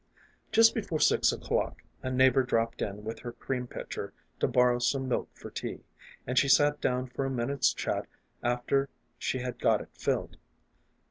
Just before six o'clock a neighbor dropped in with her cream pitcher to borrow some milk for tea, and she sat down for a minute's chat after she had got it filled.